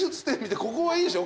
ここはいいでしょ？